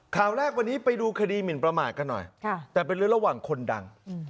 ข่าวแรกวันนี้ไปดูคดีหมินประมาทกันหน่อยแต่เป็นเรื่องระหว่างคนดัง